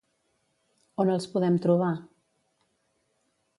On els podem trobar?